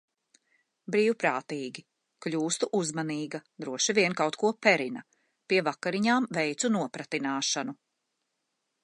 Brīvprātīgi. Kļūstu uzmanīga, droši vien kaut ko perina. Pie vakariņām veicu nopratināšanu.